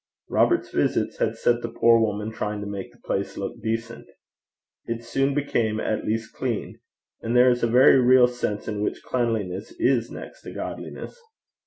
Robert's visits had set the poor woman trying to make the place look decent. It soon became at least clean, and there is a very real sense in which cleanliness is next to godliness.